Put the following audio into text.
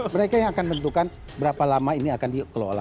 mereka yang akan menentukan berapa lama ini akan dikelola